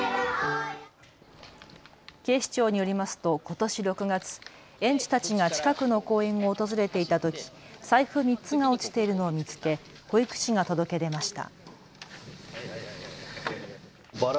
警視庁によりますとことし６月、園児たちが近くの公園を訪れていたとき財布３つが落ちているのを見つけ保育士が届け出ました。